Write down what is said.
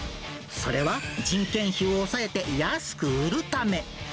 それは、人件費を抑えて安く売るため。